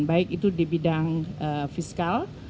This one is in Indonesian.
baik itu di bidang fiskal